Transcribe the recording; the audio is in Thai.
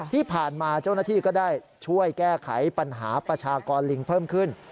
ที่ผ่านมาเจ้าหน้าที่ก็ได้ช่วยแก้ไขปัญหาประชากรลิงเพิ่มขึ้น